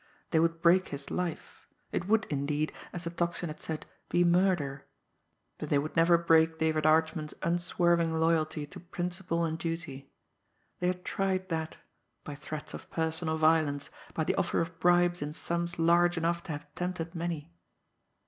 They would break his life; it would, indeed, as the Tocsin had said, be murder but they would never break David Archman's unswerving loyalty to principle and duty! They had tried that by threats of personal violence, by the offer of bribes in sums large enough to have tempted many!